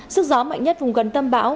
sức gió mạnh nhất vùng gần tầm bão